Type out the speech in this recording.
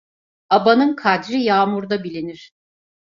Abanın kadri yağmurda bilinir.